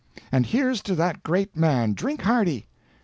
And here's to that great man drink hearty!"